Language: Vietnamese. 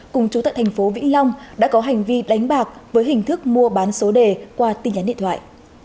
cùng chú tại thành phố vĩnh long đã có hành vi đánh bạc với hình thức mua bán số đề qua tin nhắn điện thoại